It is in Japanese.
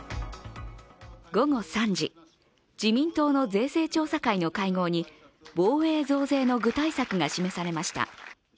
午後３時、自民党の税制調査会の会合に防衛増税の具体策が示されました。